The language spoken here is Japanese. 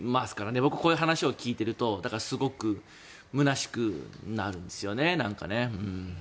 僕、こういう話を聞いているとすごくむなしくなるんですよね。